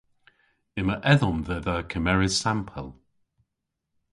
Yma edhom dhedha kemeres sampel.